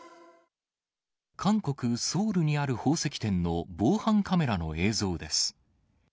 韓国・ソウルにある宝石店の防犯カメラの映像です。